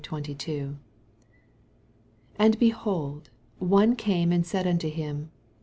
16—22. 16 And, behold, one came and said unto him.